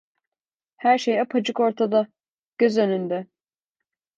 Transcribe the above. Her şey apaçık ortada, göz önünde.